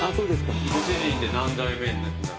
ご主人で何代目になられる？